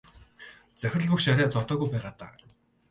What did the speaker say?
Захирал багш арай зодоогүй байгаа даа.